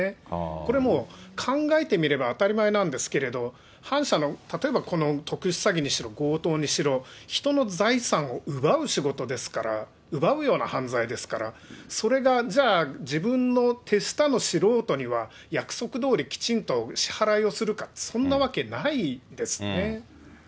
これもう、考えてみれば当たり前なんですけど、反社の、例えばこの特殊詐欺にしろ、強盗にしろ、人の財産を奪う仕事ですから、奪うような犯罪ですから、それがじゃあ、自分の手下の素人には、約束どおりきちんと支払いをするか、そんなわけないですね。